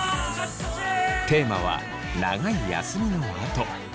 テーマは「長い休みのあと」。